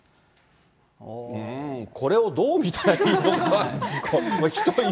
これをどう見たらいいのか。